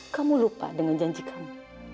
kamu lupa dengan janji kami